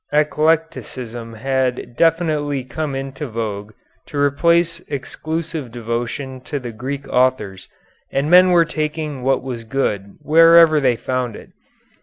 Eclecticism had definitely come into vogue to replace exclusive devotion to the Greek authors, and men were taking what was good wherever they found it.